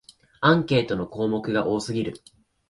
アンケートの項目が多すぎる